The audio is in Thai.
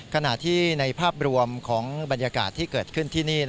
ขณะที่ในภาพรวมของบรรยากาศที่เกิดขึ้นที่นี่